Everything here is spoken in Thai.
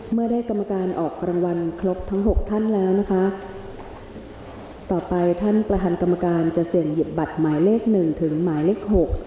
เมื่อได้กรรมการออกรางวัลครบทั้ง๖ท่านแล้วนะคะต่อไปท่านประธานกรรมการจะเสี่ยงหยิบบัตรหมายเลขหนึ่งถึงหมายเลขหก